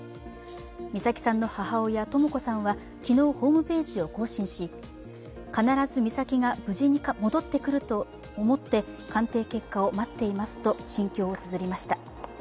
美咲さんの母親・とも子さんは昨日ホームページを更新し、必ず美咲が無事に戻ってくると思って鑑定結果を待っていますと心境をつづりました。